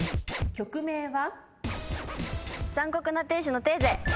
曲名は？